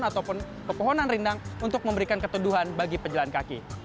ataupun pepohonan rindang untuk memberikan ketenduhan bagi penjalan kaki